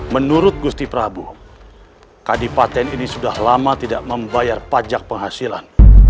menurut gusti prabu kadipaten ini sudah lama tidak membayar pajak penghasilan